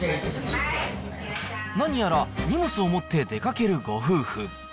何やら、荷物を持って出かけるご夫婦。